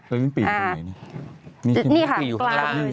ลิ้นปีตรงไหนนี่